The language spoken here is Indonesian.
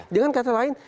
dengan kata lain